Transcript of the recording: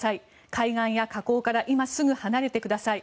海岸や河口から今すぐ離れてください。